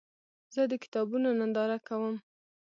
زه د کتابونو ننداره کوم.